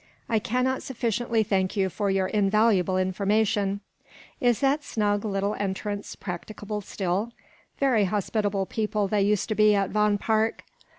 I cannot sufficiently thank you for your invaluable information. Is that snug little entrance practicable still? Very hospitable people they used to be at Vaughan Park.